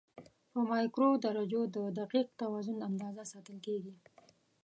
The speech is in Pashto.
په مایکرو درجو د دقیق توازن اندازه ساتل کېږي.